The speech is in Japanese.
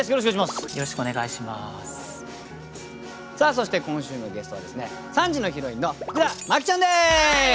そして今週のゲストはですね３時のヒロインの福田麻貴ちゃんです！